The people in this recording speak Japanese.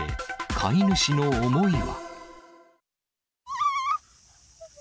飼い主の思いは。